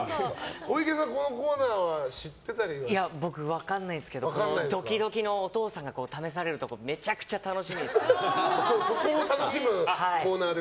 小池さん、このコーナーは僕、分からないですけれどドキドキのお父さんが試されるところそこを楽しむコーナーです。